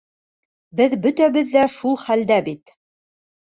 Беҙ бөтәбеҙ ҙә шул хәлдә бит.